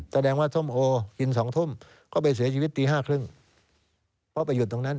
แสดงว่าส้มโอกิน๒ทุ่มก็ไปเสียชีวิตตีห้าครึ่งเพราะไปหยุดตรงนั้น